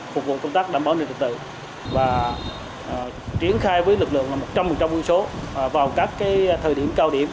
phục vụ công tác đảm bảo an ninh trật tự và triển khai với lực lượng một trăm linh vui số vào các thời điểm cao điểm